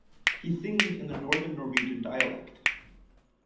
He sings in the Northern Norwegian dialect.